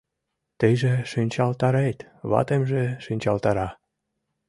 Тыйже шинчалтарет, ватемже шинчалтара!..